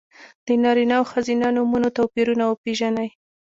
د نارینه او ښځینه نومونو توپیرونه وپېژنئ!